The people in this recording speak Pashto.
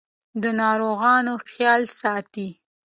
د ناروغانو خیال ساتئ.